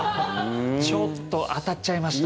ちょっと当たっちゃいました。